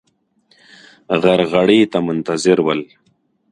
غرغړې ته منتظر ول.